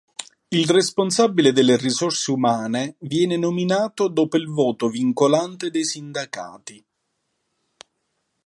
Il responsabile delle risorse umane viene nominato dopo il voto vincolante dei sindacati.